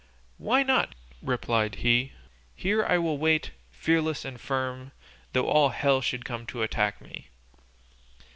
"Why not?" replied he; "here will I wait, fearless and firm, though all hell should come to attack me."